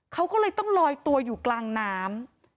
เขาก็เลยต้องลอยตัวอยู่กลางน้ำ